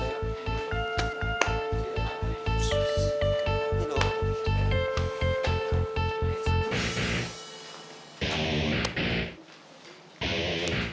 bangunin kita cabut aja